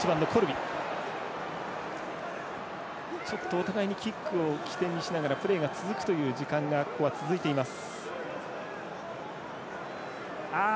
お互いにキックを起点にしながらプレーが続くという時間がここは続いています。